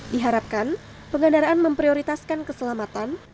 diharapkan pengendaraan memprioritaskan keselamatan